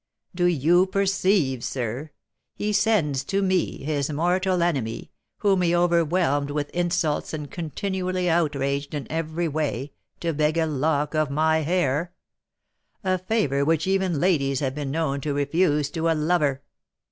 "Do you perceive, sir? He sends to me, his mortal enemy, whom he overwhelmed with insults and continually outraged in every way, to beg a lock of my hair, a favour which even ladies have been known to refuse to a lover!"